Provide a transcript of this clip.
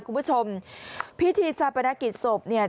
คุณผู้ชมพิธีจัดประนักกิจศพเนี่ย